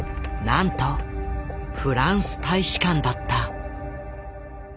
なんとフランス大使館だった。